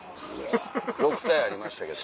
６体ありましたけど。